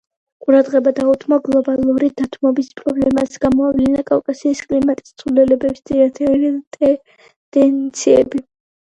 ყურადღება დაუთმო გლობალური დათბობის პრობლემას, გამოავლინა კავკასიის კლიმატის ცვლილების ძირითადი ტენდენციები.